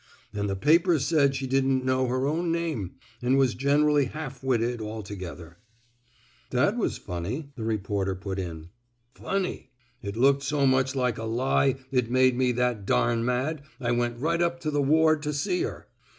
An' the papers said she didn't know her own name, an' was gen 'rally half witted alto gether —"That was funny," the reporter put in. Funny I It looked so much like a fie it made me that dam mad I went right up to the ward to see her.